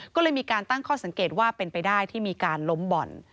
ก็เลยมีการตั้งข้อสังเกตว่าเป็นไปได้ที่มีการล้มบ่อน